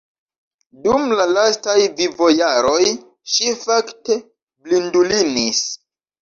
Dum la lastaj vivojaroj ŝi fakte blindulinis.